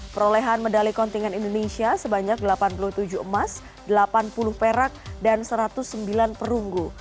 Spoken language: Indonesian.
perolehan medali kontingen indonesia sebanyak delapan puluh tujuh emas delapan puluh perak dan satu ratus sembilan perunggu